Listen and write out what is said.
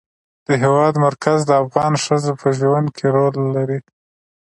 د هېواد مرکز د افغان ښځو په ژوند کې رول لري.